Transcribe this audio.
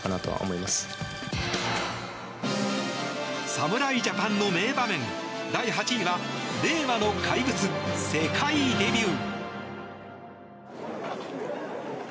侍ジャパンの名場面、第８位は令和の怪物、世界デビュー。